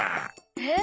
えっ？